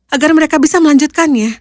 agar mereka bisa melanjutkannya